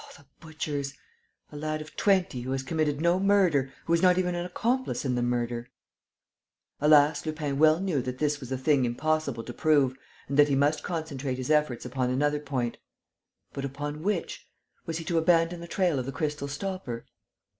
Oh, the butchers!... A lad of twenty, who has committed no murder, who is not even an accomplice in the murder...." Alas, Lupin well knew that this was a thing impossible to prove and that he must concentrate his efforts upon another point. But upon which? Was he to abandon the trail of the crystal stopper?